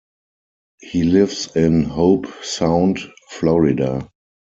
He lives in Hobe Sound, Florida.